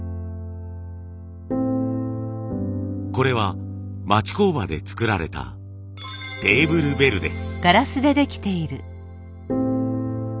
これは町工場で作られたテーブルベルです。